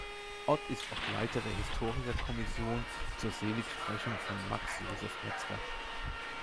Ott ist auch Leiter der Historikerkommission zur Seligsprechung von Max Josef Metzger.